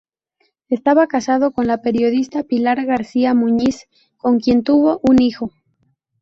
Estaba casado con la periodista Pilar García Muñiz, con quien tuvo un hijo.